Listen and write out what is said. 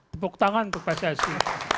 tepuk tangan untuk pssi